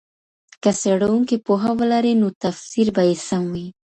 که څېړونکی پوهه ولري نو تفسیر به یې سم وي.